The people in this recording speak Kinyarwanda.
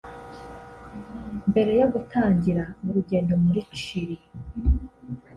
Mbere yo gutangira urugendo muri Chili